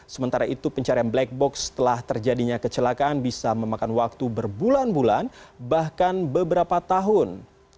sementara itu pencarian black box setelah terjadinya kecelakaan bisa memakan waktu berbulan bulan bahkan beberapa tahun